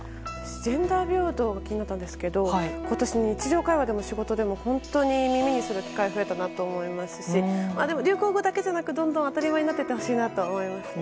ジェンダー平等が気になったんですけど、今年は日常会話でも仕事でも耳にする機会が増えたなと思いますし流行語だけでなくどんどん当たり前になってほしいです。